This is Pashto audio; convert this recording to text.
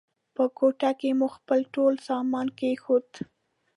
په کوټه کې مو خپل ټول سامان کېښود.